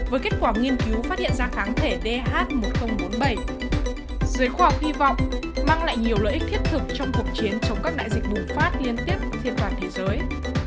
với kết quả nghiên cứu phát hiện ra kháng thể dh một nghìn bốn mươi bảy giới khoa học hy vọng mang lại nhiều lợi ích thiết thực trong cuộc chiến chống các đại dịch bùng phát liên tiếp trên toàn thế giới